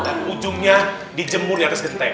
dan ujungnya dijemur di atas getek